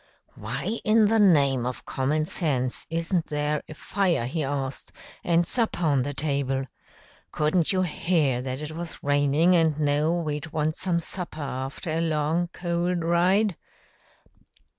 "Why in the name of common sense isn't there a fire?" he asked, "and supper on the table? Couldn't you hear that it was raining and know we'd want some supper after a long, cold ride?"